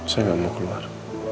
saya gak mau keluar